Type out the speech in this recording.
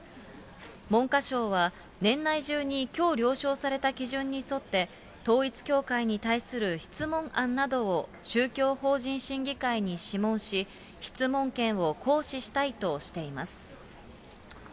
文科省は、年内中にきょう了承された基準に沿って、統一教会に対する質問案などを宗教法人審議会に諮問し、質問権を行使したいとしています。